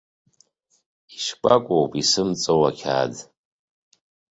Ишкәакәоуп исымҵоу ақьаад.